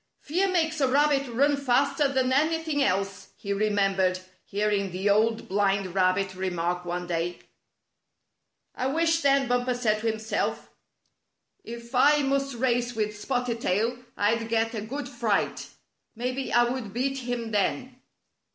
"Fear makes a rabbit run faster than any thing else," he remembered hearing the Old Blind Rabbit remark one day. " I wish then," Bumper said to himself, " if I 40 A Test of Fleetness must race with Spotted Tail I'd get a good fright. Maybe I would beat him then."